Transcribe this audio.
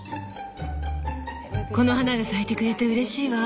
この花が咲いてくれてうれしいわ。